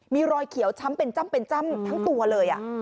มีรอยเขียวช้ำเป็นจ้ำเป็นจ้ำทั้งตัวเลย